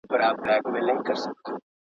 څراغ ولې په لومړي سر کې روښانه نه و؟